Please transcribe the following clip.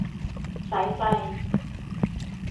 สายไฟ